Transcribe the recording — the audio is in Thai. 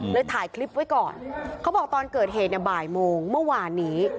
ถ่ายคลิปไว้ก่อนเขาบอกตอนเกิดเหตุเนี่ยบ่ายโมงเมื่อวานนี้